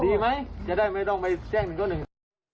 ดีไหมจะได้ไม่ต้องไปแจ้งหนึ่งเขาหนึ่ง